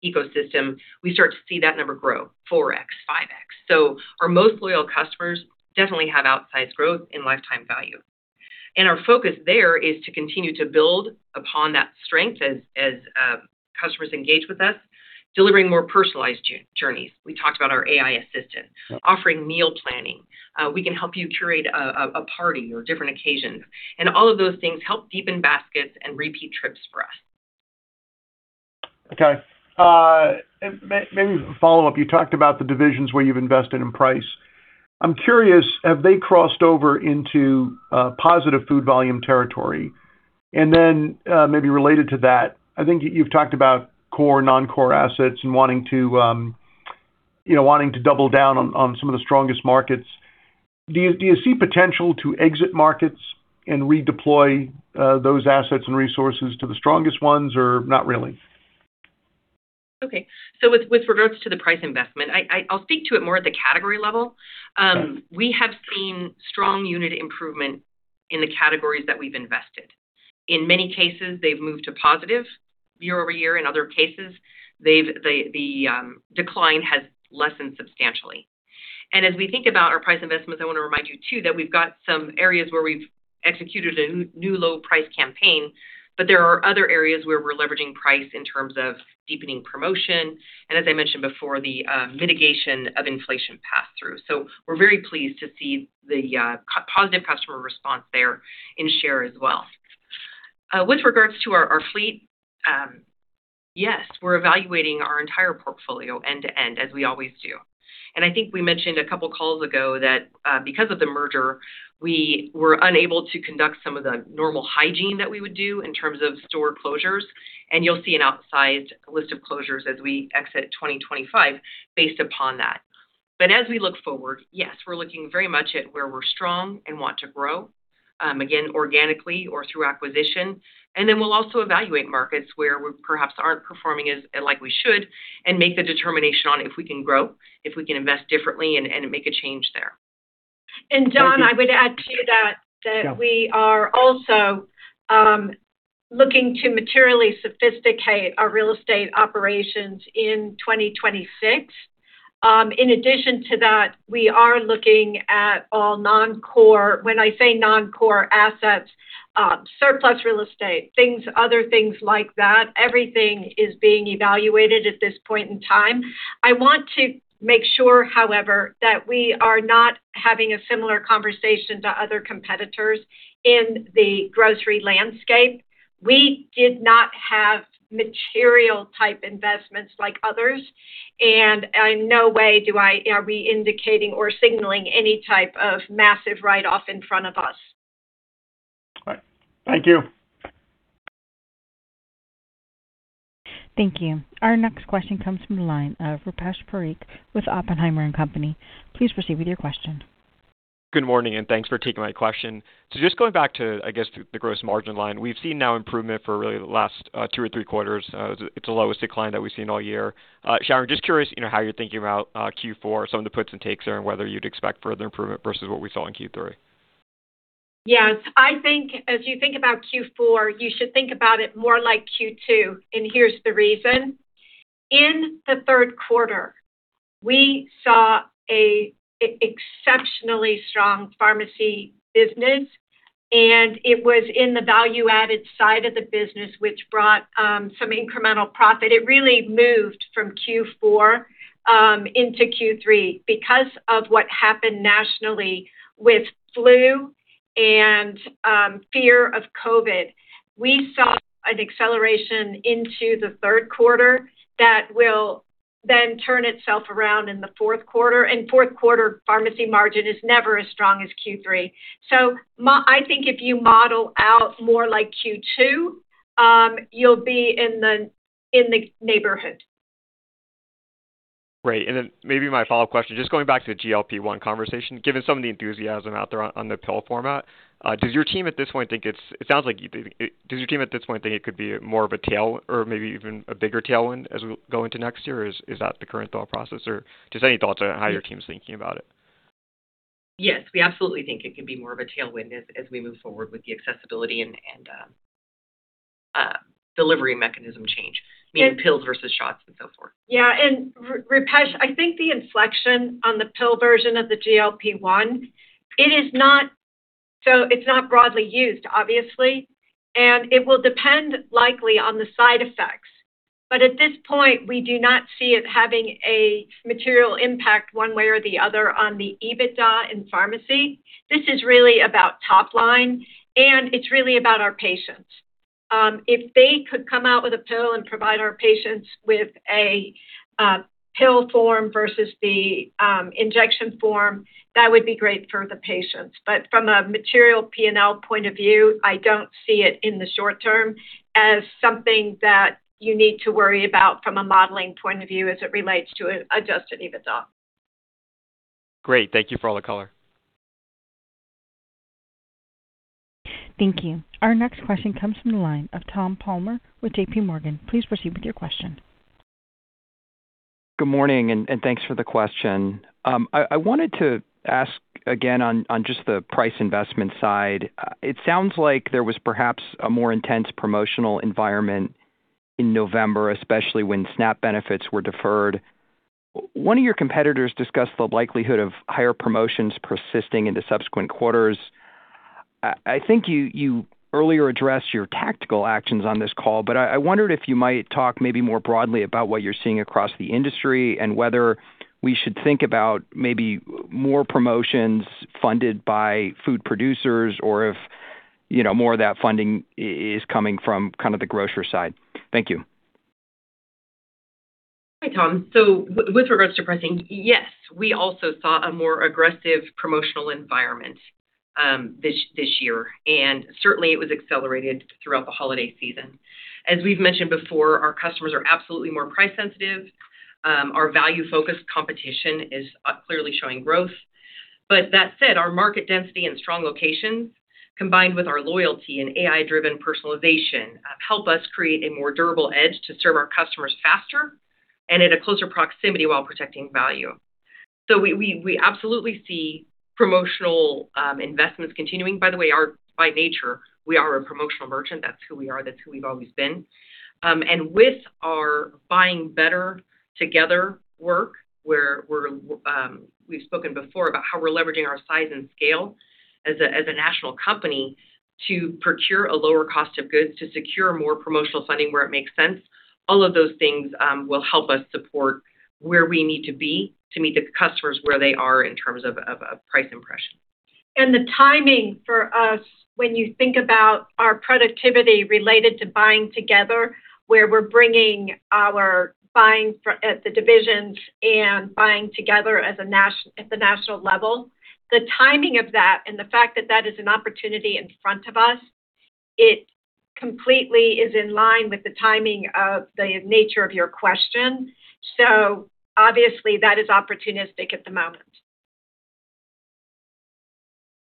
ecosystem, we start to see that number grow, 4x, 5x. Our most loyal customers definitely have outsized growth in lifetime value. Our focus there is to continue to build upon that strength as customers engage with us, delivering more personalized journeys. We talked about our AI assistant, offering meal planning. We can help you curate a party or different occasions. And all of those things help deepen baskets and repeat trips for us. Okay. Maybe follow-up. You talked about the divisions where you've invested in price. I'm curious, have they crossed over into positive food volume territory? And then maybe related to that, I think you've talked about core and non-core assets and wanting to double down on some of the strongest markets. Do you see potential to exit markets and redeploy those assets and resources to the strongest ones, or not really? Okay. So with regards to the price investment, I'll speak to it more at the category level. We have seen strong unit improvement in the categories that we've invested. In many cases, they've moved to positive year-over-year. In other cases, the decline has lessened substantially. As we think about our price investments, I want to remind you too that we've got some areas where we've executed a new low-price campaign, but there are other areas where we're leveraging price in terms of deepening promotion. And as I mentioned before, the mitigation of inflation pass-through. So we're very pleased to see the positive customer response there in share as well. With regards to our fleet, yes, we're evaluating our entire portfolio end to end, as we always do. And I think we mentioned a couple of calls ago that because of the merger, we were unable to conduct some of the normal hygiene that we would do in terms of store closures. And you'll see an outsized list of closures as we exit 2025 based upon that. As we look forward, yes, we're looking very much at where we're strong and want to grow, again, organically or through acquisition. Then we'll also evaluate markets where we perhaps aren't performing like we should and make the determination on if we can grow, if we can invest differently, and make a change there. John, I would add to that that we are also looking to materially sophisticate our real estate operations in 2026. In addition to that, we are looking at all non-core, when I say non-core assets, surplus real estate, other things like that. Everything is being evaluated at this point in time. I want to make sure, however, that we are not having a similar conversation to other competitors in the grocery landscape. We did not have material-type investments like others. And in no way are we indicating or signaling any type of massive write-off in front of us. All right. Thank you. Thank you. Our next question comes from the line of Rupesh Parikh with Oppenheimer & Co. Please proceed with your question. Good morning, and thanks for taking my question. So just going back to, I guess, the gross margin line, we've seen now improvement for really the last two or three quarters. It's the lowest decline that we've seen all year. Sharon, just curious how you're thinking about Q4, some of the puts and takes there, and whether you'd expect further improvement versus what we saw in Q3. Yes. I think as you think about Q4, you should think about it more like Q2. And here's the reason. In the third quarter, we saw an exceptionally strong pharmacy business. It was in the value-added side of the business, which brought some incremental profit. It really moved from Q4 into Q3 because of what happened nationally with flu and fear of COVID. We saw an acceleration into the third quarter that will then turn itself around in the fourth quarter. Fourth quarter pharmacy margin is never as strong as Q3. So I think if you model out more like Q2, you'll be in the neighborhood. Great. Then maybe my follow-up question, just going back to the GLP-1 conversation, given some of the enthusiasm out there on the pill format, does your team at this point think it sounds like it could be more of a tailwind or maybe even a bigger tailwind as we go into next year? Is that the current thought process, or just any thoughts on how your team's thinking about it? Yes, we absolutely think it can be more of a tailwind as we move forward with the accessibility and delivery mechanism change, meaning pills versus shots and so forth. Yeah. And Rupesh, I think the inflection on the pill version of the GLP-1, it is not—so it's not broadly used, obviously. And it will depend likely on the side effects. But at this point, we do not see it having a material impact one way or the other on the EBITDA in pharmacy. This is really about top line, and it's really about our patients. If they could come out with a pill and provide our patients with a pill form versus the injection form, that would be great for the patients. But from a material P&L point of view, I don't see it in the short term as something that you need to worry about from a modeling point of view as it relates to adjusted EBITDA. Great. Thank you for all the color. Thank you. Our next question comes from the line of Tom Palmer with JPMorgan. Please proceed with your question. Good morning, and thanks for the question. I wanted to ask again on just the price investment side. It sounds like there was perhaps a more intense promotional environment in November, especially when SNAP benefits were deferred. One of your competitors discussed the likelihood of higher promotions persisting into subsequent quarters. I think you earlier addressed your tactical actions on this call, but I wondered if you might talk maybe more broadly about what you're seeing across the industry and whether we should think about maybe more promotions funded by food producers or if more of that funding is coming from kind of the grocer side. Thank you. Hi, Tom. So with regards to pricing, yes, we also saw a more aggressive promotional environment this year. And certainly, it was accelerated throughout the holiday season. As we've mentioned before, our customers are absolutely more price-sensitive. Our value-focused competition is clearly showing growth. But that said, our market density and strong locations, combined with our loyalty and AI-driven personalization, help us create a more durable edge to serve our customers faster and at a closer proximity while protecting value. So we absolutely see promotional investments continuing. By the way, by nature, we are a promotional merchant. That's who we are. That's who we've always been. And with our Buying Better Together work, where we've spoken before about how we're leveraging our size and scale as a national company to procure a lower cost of goods to secure more promotional funding where it makes sense, all of those things will help us support where we need to be to meet the customers where they are in terms of price impression. And the timing for us, when you think about our productivity related to buying together, where we're bringing our buying at the divisions and buying together at the national level, the timing of that and the fact that that is an opportunity in front of us, it completely is in line with the timing of the nature of your question. So obviously, that is opportunistic at the moment.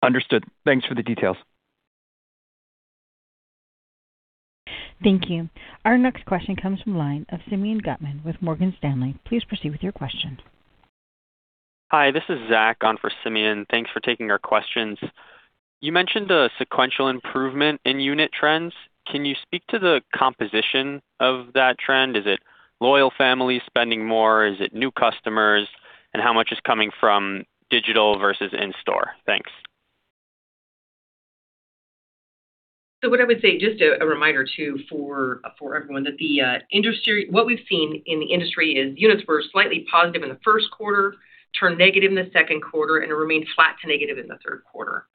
Understood. Thanks for the details. Thank you. Our next question comes from the line of Simeon Gutman with Morgan Stanley. Please proceed with your question. Hi, this is Zach on for Simeon. Thanks for taking our questions. You mentioned a sequential improvement in unit trends. Can you speak to the composition of that trend? Is it loyal families spending more? Is it new customers? And how much is coming from digital versus in-store? Thanks. So what I would say, just a reminder too for everyone, that what we've seen in the industry is units were slightly positive in the first quarter, turned negative in the second quarter, and remained flat to negative in the third quarter.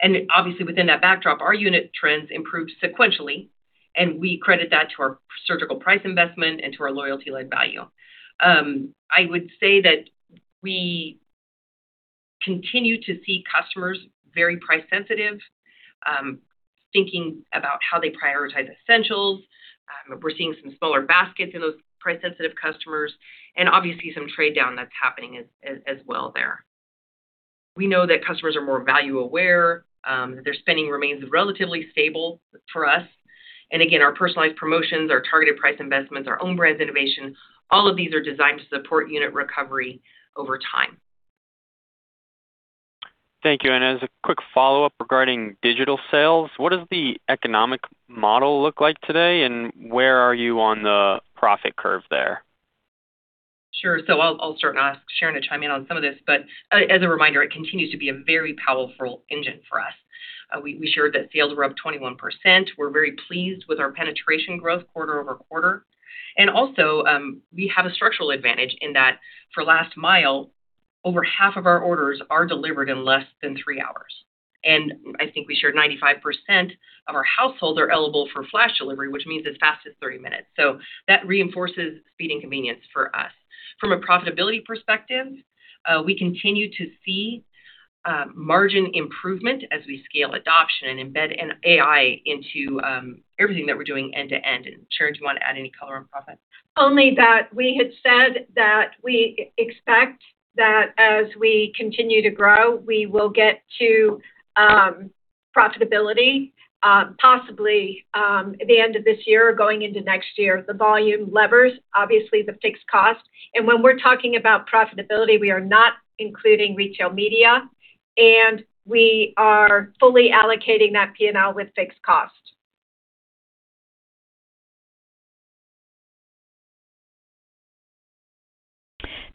And obviously, within that backdrop, our unit trends improved sequentially, and we credit that to our surgical price investment and to our loyalty-led value. I would say that we continue to see customers very price-sensitive, thinking about how they prioritize essentials. We're seeing some smaller baskets in those price-sensitive customers, and obviously, some trade-down that's happening as well there. We know that customers are more value-aware, that their spending remains relatively stable for us. And again, our personalized promotions, our targeted price investments, our Own Brands innovation, all of these are designed to support unit recovery over time. Thank you. And as a quick follow-up regarding digital sales, what does the economic model look like today, and where are you on the profit curve there? Sure. So I'll start and ask Sharon to chime in on some of this. But as a reminder, it continues to be a very powerful engine for us. We shared that sales were up 21%. We're very pleased with our penetration growth quarter-over-quarter. And also, we have a structural advantage in that for last mile, over half of our orders are delivered in less than three hours. And I think we shared 95% of our households are eligible for Flash Delivery, which means as fast as 30 minutes. So that reinforces speed and convenience for us. From a profitability perspective, we continue to see margin improvement as we scale adoption and embed AI into everything that we're doing end to end. And Sharon, do you want to add any color on profit? Only that we had said that we expect that as we continue to grow, we will get to profitability, possibly at the end of this year or going into next year. The volume levers, obviously, the fixed cost. And when we're talking about profitability, we are not including retail media, and we are fully allocating that P&L with fixed cost.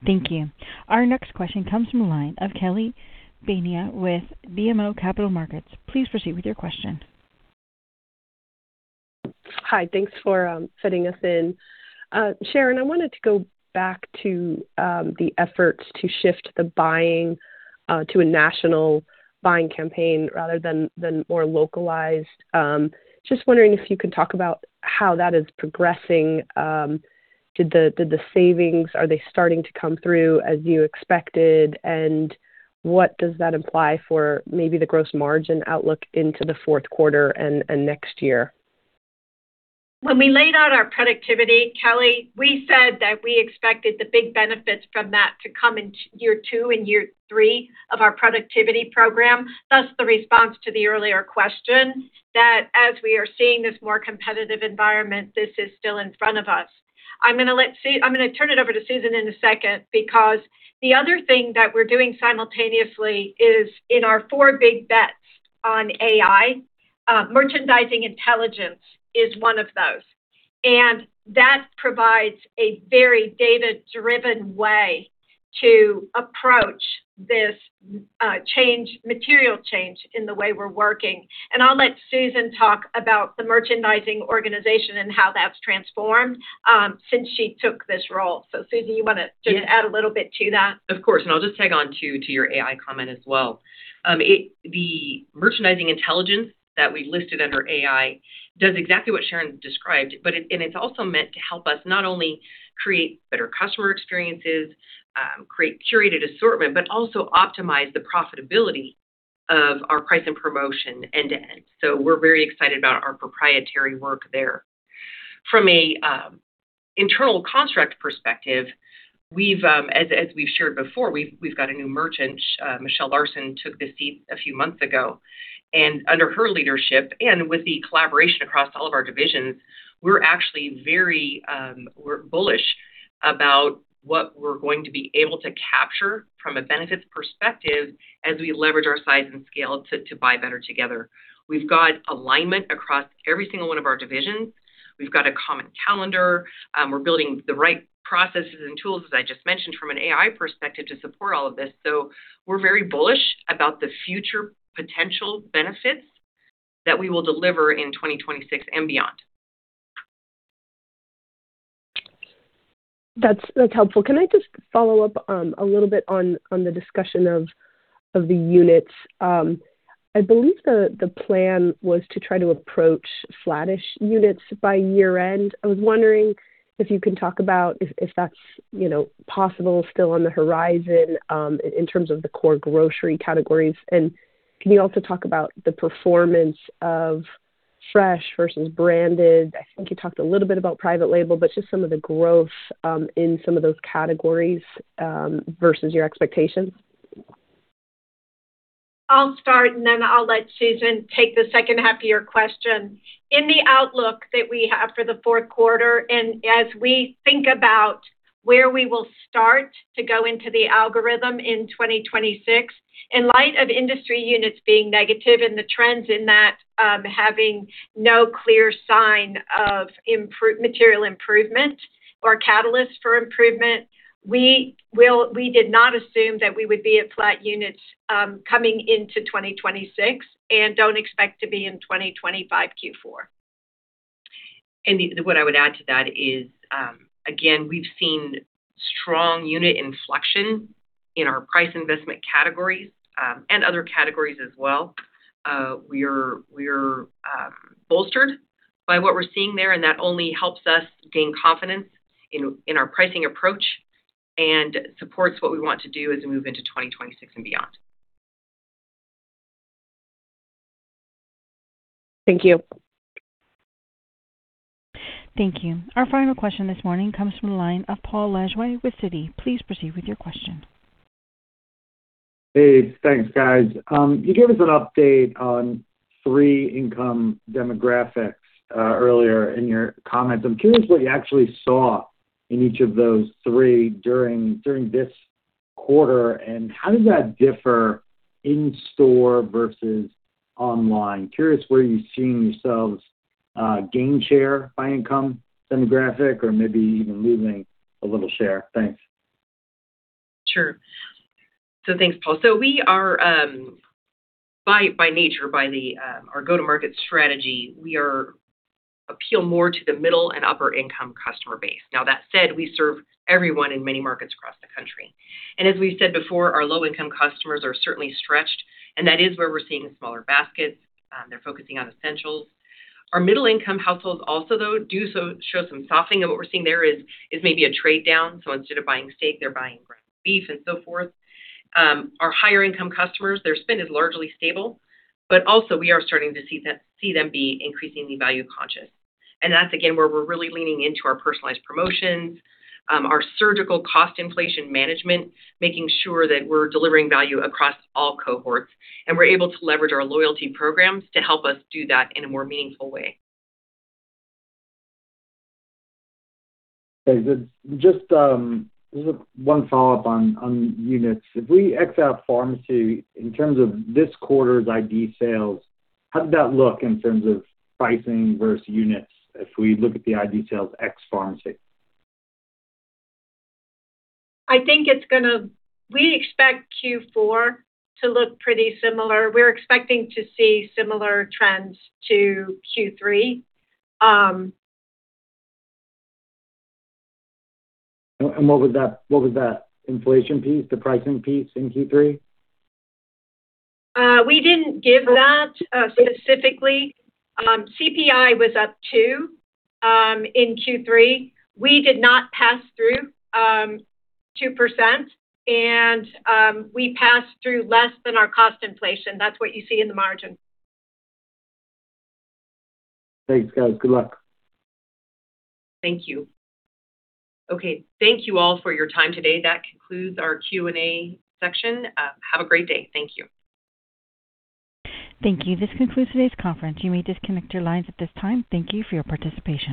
Thank you. Our next question comes from the line of Kelly Bania with BMO Capital Markets. Please proceed with your question. Hi. Thanks for fitting us in. Sharon, I wanted to go back to the efforts to shift the buying to a national buying campaign rather than more localized. Just wondering if you could talk about how that is progressing. Did the savings—are they starting to come through as you expected? And what does that imply for maybe the gross margin outlook into the fourth quarter and next year? When we laid out our productivity, Kelly, we said that we expected the big benefits from that to come in year two and year three of our productivity program. Thus, the response to the earlier question that as we are seeing this more competitive environment, this is still in front of us. I'm going to turn it over to Susan in a second because the other thing that we're doing simultaneously is in our four big bets on AI. Merchandising Intelligence is one of those. And that provides a very data-driven way to approach this material change in the way we're working. And I'll let Susan talk about the merchandising organization and how that's transformed since she took this role. So Susan, you want to just add a little bit to that? Of course. And I'll just tag on to your AI comment as well. The Merchandising Intelligence that we've listed under AI does exactly what Sharon described. And it's also meant to help us not only create better customer experiences, create curated assortment, but also optimize the profitability of our price and promotion end to end. So we're very excited about our proprietary work there. From an internal construct perspective, as we've shared before, we've got a new merchant. Michelle Larson took the seat a few months ago, and under her leadership and with the collaboration across all of our divisions, we're actually very bullish about what we're going to be able to capture from a benefits perspective as we leverage our size and scale to buy better together. We've got alignment across every single one of our divisions. We've got a common calendar. We're building the right processes and tools, as I just mentioned, from an AI perspective to support all of this, so we're very bullish about the future potential benefits that we will deliver in 2026 and beyond. That's helpful. Can I just follow up a little bit on the discussion of the units? I believe the plan was to try to approach flattish units by year-end. I was wondering if you can talk about if that's possible, still on the horizon in terms of the core grocery categories, and can you also talk about the performance of fresh versus branded? I think you talked a little bit about private label, but just some of the growth in some of those categories versus your expectations. I'll start, and then I'll let Susan take the second half of your question. In the outlook that we have for the fourth quarter, and as we think about where we will start to go into the algorithm in 2026, in light of industry units being negative and the trends in that having no clear sign of material improvement or catalyst for improvement, we did not assume that we would be at flat units coming into 2026 and don't expect to be in 2025 Q4. And what I would add to that is, again, we've seen strong unit inflection in our price investment categories and other categories as well. We're bolstered by what we're seeing there, and that only helps us gain confidence in our pricing approach and supports what we want to do as we move into 2026 and beyond. Thank you. Thank you. Our final question this morning comes from the line of Paul Lejuez with Citi. Please proceed with your question. Hey. Thanks, guys. You gave us an update on three income demographics earlier in your comments. I'm curious what you actually saw in each of those three during this quarter, and how does that differ in-store versus online? Curious where you've seen yourselves gain share by income demographic or maybe even losing a little share. Thanks. Sure. So thanks, Paul. So by nature, by our go-to-market strategy, we appeal more to the middle and upper-income customer base. Now, that said, we serve everyone in many markets across the country. And as we've said before, our low-income customers are certainly stretched, and that is where we're seeing smaller baskets. They're focusing on essentials. Our middle-income households also, though, do show some softening. And what we're seeing there is maybe a trade-down. So instead of buying steak, they're buying ground beef and so forth. Our higher-income customers, their spend is largely stable. But also, we are starting to see them be increasingly value-conscious. And that's, again, where we're really leaning into our personalized promotions, our surgical cost inflation management, making sure that we're delivering value across all cohorts. And we're able to leverage our loyalty programs to help us do that in a more meaningful way. Just one follow-up on units. If we X out pharmacy in terms of this quarter's ID sales, how did that look in terms of pricing versus units if we look at the ID sales X pharmacy? I think it's going to—we expect Q4 to look pretty similar. We're expecting to see similar trends to Q3. And what was that inflation piece, the pricing piece in Q3? We didn't give that specifically. CPI was up 2% in Q3. We did not pass through 2%, and we passed through less than our cost inflation. That's what you see in the margin. Thanks, guys. Good luck. Thank you. Okay. Thank you all for your time today. That concludes our Q&A section. Have a great day. Thank you. Thank you. This concludes today's conference. You may disconnect your lines at this time. Thank you for your participation.